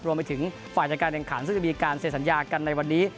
รวมไปถึงฝ่ายจัดการแข่งขันซึ่งจะมีการเซ็นสัญญากันในวันนี้